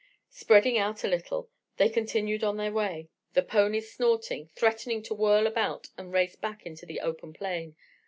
Spreading out a little they continued on their way, the ponies snorting, threatening to whirl about and race back into the open plain.